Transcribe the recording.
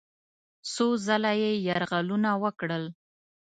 څو ځله یې یرغلونه وکړل.